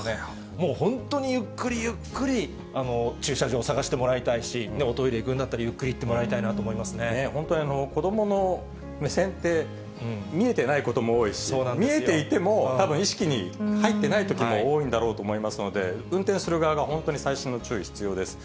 もう本当にゆっくりゆっくり駐車場を探してもらいたいし、おトイレ行くんだったら、ゆっくり行っ本当に子どもの目線って、見えてないことも多いし、見えていても、たぶん意識に入ってないときも多いんだろうと思いますので、運転する側が本当に細心の注意、必要です。